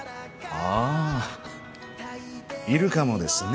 あいるかもですね